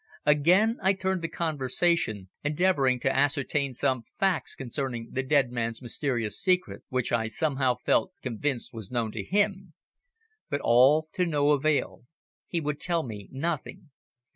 Again I turned the conversation, endeavouring to ascertain some facts concerning the dead man's mysterious secret, which I somehow felt convinced was known to him. But all to no avail. He would tell me nothing.